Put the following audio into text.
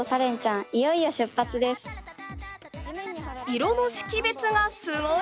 色の識別がすごい！